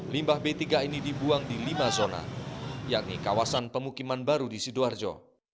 limbah b tiga ini dibuang di lima zona yakni kawasan pemukiman baru di sidoarjo